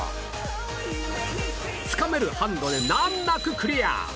つかめるハンドで難なくクリア